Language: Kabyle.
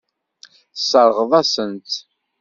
Tesseṛɣeḍ-asen-tt.